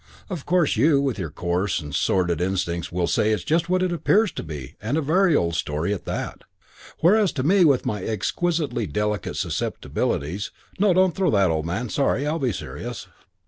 Of course you, with your coarse and sordid instincts, will say it's just what it appears to be and a very old story at that. Whereas to me, with my exquisitely delicate susceptibilities.... No, don't throw that, old man. Sorry. I'll be serious.